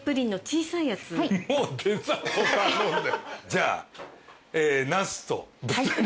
じゃあ。